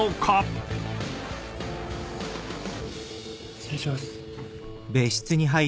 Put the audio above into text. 失礼します。